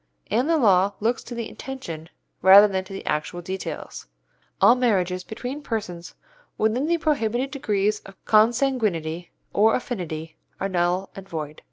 and the law looks to the intention rather than to the actual details. All marriages between persons within the prohibited degrees of consanguinity or affinity are null and void.